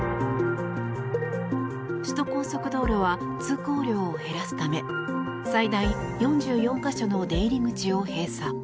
首都高速道路は通行量を減らすため最大４４か所の出入り口を閉鎖。